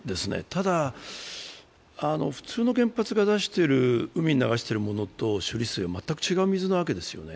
ただ、普通の原発が海に流しているものと処理水は全く違う水なわけですよね。